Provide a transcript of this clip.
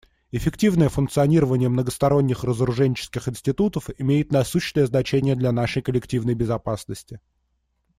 Эффективное функционирование многосторонних разоруженческих институтов имеет насущное значение для нашей коллективной безопасности.